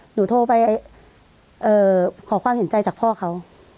หนูโทรไปขอความเห็นใจจากพ่อเขา